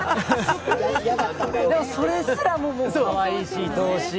でも、それすらもかわいいし、愛おしい。